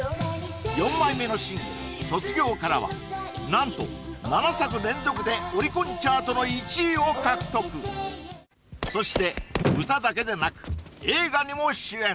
４枚目のシングル「卒業」からは何と７作連続でオリコンチャートの１位を獲得そして歌だけでなく映画にも主演